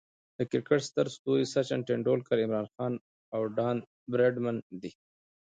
د کرکټ ستر ستوري سچن ټندولکر، عمران خان، او ډان براډمن دي.